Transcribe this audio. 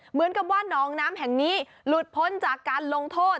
เหมือนกับว่าหนองน้ำแห่งนี้หลุดพ้นจากการลงโทษ